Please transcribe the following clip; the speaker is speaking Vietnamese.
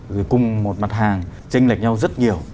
rồi cùng một mặt hàng tranh lệch nhau rất nhiều